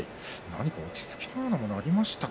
落ち着きのようなものありましたか？